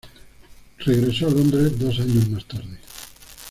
Regresó a Londres dos años más tarde.